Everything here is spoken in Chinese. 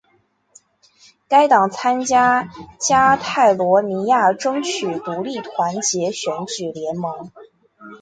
该党参加加泰罗尼亚争取独立团结选举联盟。